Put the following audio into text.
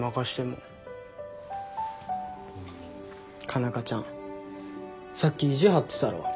佳奈花ちゃんさっき意地張ってたろ？